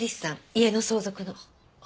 家の相続の。